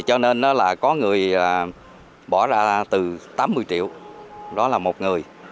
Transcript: cho nên là có người bỏ ra từ tám mươi triệu đó là một người